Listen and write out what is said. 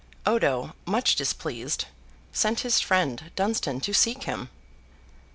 Odo, much displeased, sent his friend Dunstan to seek him.